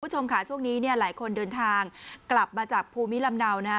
คุณผู้ชมค่ะช่วงนี้เนี่ยหลายคนเดินทางกลับมาจากภูมิลำเนานะฮะ